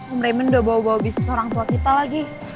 om ramen udah bawa bawa bisnis orang tua kita lagi